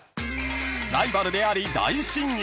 ［ライバルであり大親友］